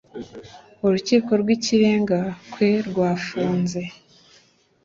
urukiko rw ikirenga kwerwafunze